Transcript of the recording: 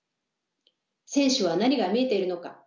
選手は何が見えているのか？